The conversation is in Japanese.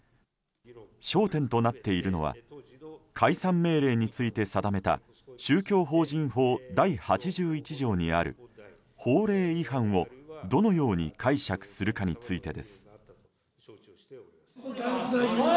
焦点となっているのは解散命令について定めた宗教法人法第８１条にある法令違反をどのように解釈するかについてです。